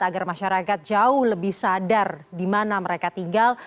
agar masyarakat jauh lebih sadar di mana mereka tinggal